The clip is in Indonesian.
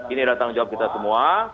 ini adalah tanggung jawab kita semua